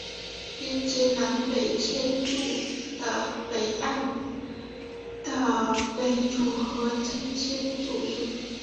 连结南北千住的北岸的北组合称千住宿。